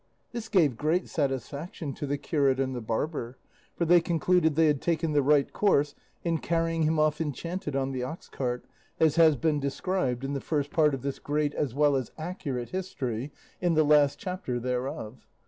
This gave great satisfaction to the curate and the barber, for they concluded they had taken the right course in carrying him off enchanted on the ox cart, as has been described in the First Part of this great as well as accurate history, in the last chapter thereof.